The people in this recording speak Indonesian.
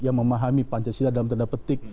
yang memahami pancasila dalam tanda petik